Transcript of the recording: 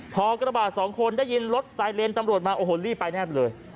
พอกระบาดสองคนได้ยินรถไซเลนตำรวจมาโอ้โหรีบไปแนบเลย